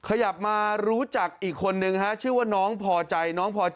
ขยับมารู้จักอีกคนนึงชื่อว่าน้องพ่อใจ